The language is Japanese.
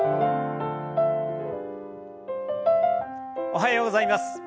おはようございます。